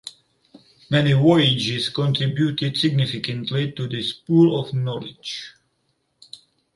Many voyages contributed significantly to this pool of knowledge.